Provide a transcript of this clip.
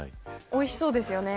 おいしそうですよね。